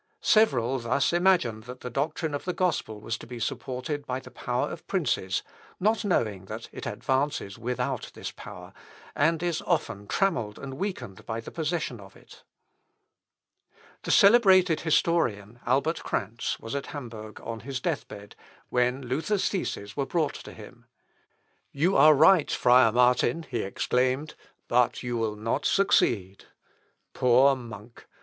Several thus imagined that the doctrine of the gospel was to be supported by the power of princes, not knowing that it advances without this power, and is often trammelled and weakened by the possession of it. He adds, "Totque uxorum vir," The husband of so many wives, (Heumann Documenta lit. p. 167.) The celebrated historian, Albert Kranz, was at Hamburg on his deathbed, when Luther's theses were brought to him. "You are right, friar Martin," he exclaimed, "but you will not succeed.... Poor monk!